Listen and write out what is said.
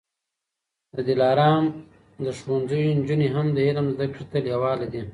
د دلارام د ښوونځیو نجوني هم د علم زده کړې ته لېواله دي.